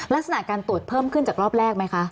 ลักษณะการตรวจเพิ่มขึ้นจากรอบแรกไหมคะ